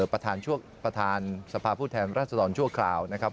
ประธานสภาพผู้แทนรัศดรชั่วคราวนะครับ